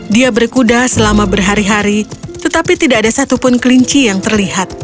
dia berkuda selama berhari hari tetapi tidak ada satupun kelinci yang terlihat